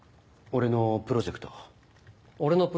俺のプロジェクト？